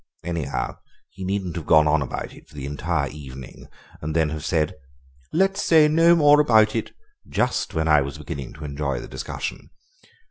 "Anyhow, he needn't have gone on about it for the entire evening and then have said, 'Let's say no more about it' just when I was beginning to enjoy the discussion.